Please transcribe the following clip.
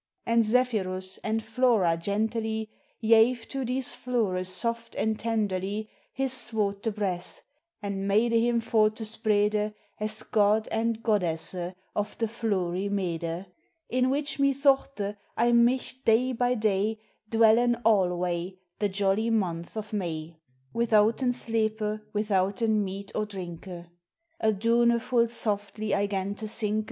And Zephirus, and Flora gentelly, Yave to these floures soft and tenderly. His swotef breth, and made him for to sprede, As god and goddesse of the flourie mede, In which me though te I might day by day, Dwellen alway, the joly month of May, Withouten slepe, withouten meat or drinke : Adoune full softly I gan to sinke, * Fearful.